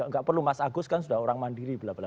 enggak perlu mas agus kan sudah orang mandiri